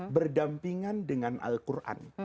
berdampingan dengan al quran